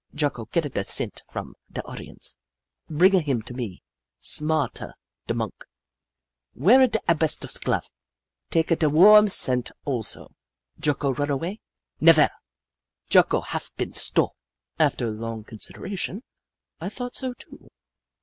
Jocko getta da cent from da audience, bringa him to me. Hoop La 143 Smarta da monk — weara da asbestos glove, taka da warm cent also. Jocko run away ? Nevaire ! Jocko haf been stole!" After long consideration, I thought so, too.